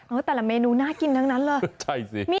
แต่ละเมนูน่ากินทั้งนั้นเลยใช่สิ